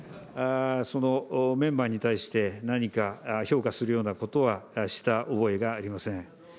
メンバーに対して、何か評価するようなことはした覚えがありません。